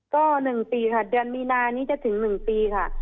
ก็หนึ่งปีค่ะเดือนมีนานนี้จะถึงหนึ่งปีค่ะ